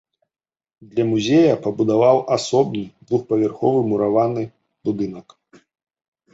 Для музея пабудаваў асобны двухпавярховы мураваны будынак.